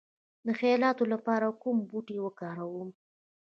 د خیالاتو لپاره کوم بوټي وکاروم؟